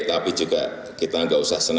tapi juga kita nggak usah senang